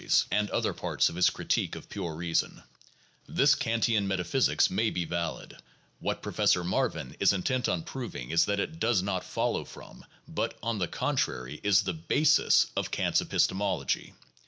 ch. I., sec. 7. PSYCHOLOGY AND SCIENTIFIC METHODS 203 other parts of his critique of pure reason. This Kantian metaphys ics may be valid. What Professor Marvin is intent on proving is that it does not follow from, but, on the contrary, is the basis of Kant's epistemology.